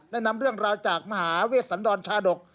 นำเรื่องราวจากมหาเวชสันดรชาดก